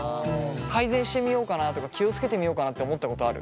改善してみようかなとか気を付けてみようかなって思ったことある？